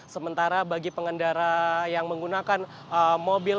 sementara bagi pengendara yang menggunakan mobil